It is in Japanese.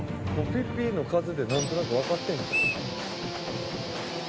「ピッピッの数でなんとなくわかってるんちゃう？」